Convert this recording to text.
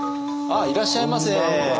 いらっしゃいませ。